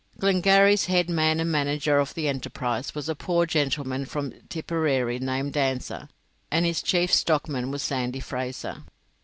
Glengarry's head man and manager of the enterprise was a poor gentleman from Tipperary named Dancer, and his chief stockman was Sandy Fraser.